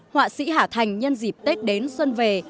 họa sĩ hà thành nhân dịp tết đến xuân về